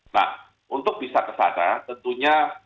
nah untuk bisa kesana tentunya